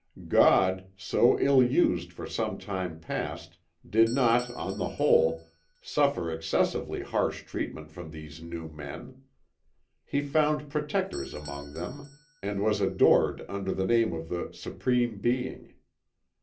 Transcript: God, so ill used for some time past, did not, on the whole, suffer excessively harsh treatment from these new men. He found protectors among them, and was adored under the name of the Supreme Being.